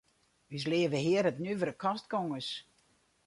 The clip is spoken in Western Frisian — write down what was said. Us Leave Hear hat nuvere kostgongers.